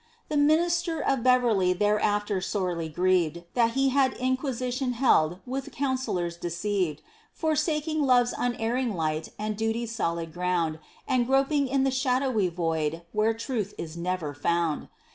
The minister of Beverly thereafter sorely grieved That he had inquisition held with counsellors deceived; Forsaking love's unerring light and duty's solid ground, And groping in the shadowy void, where truth is never found.